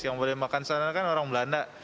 yang boleh makan sana kan orang belanda